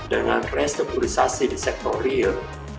dengan restrukturisasi di sektor real